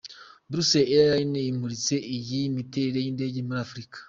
Brussels Airlines imuritse iyi miterere y’indege muri Afurika.